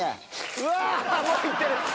うわもう行ってる！